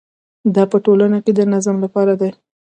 دا په ټولنه کې د نظم لپاره دی.